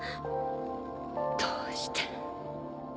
どうして？